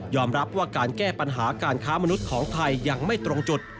รับว่าการแก้ปัญหาการค้ามนุษย์ของไทยยังไม่ตรงจุด